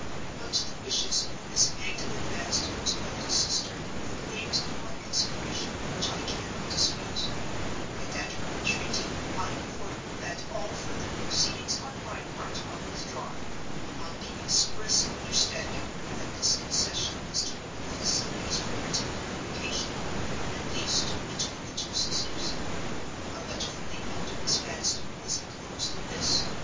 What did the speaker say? But the wishes of Miss Magdalen Vanstone's eldest sister have claims on my consideration which I cannot dispute; and at her entreaty I inform you that all further proceedings on my part are withdrawn—on the express understanding that this concession is to open facilities for written communication, at least, between the two sisters. A letter from the elder Miss Vanstone is inclosed in this.